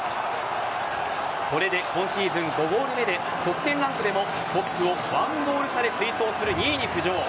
これで今シーズン５ゴール目で得点ランクでもトップを１ゴール差で追走する２位に浮上。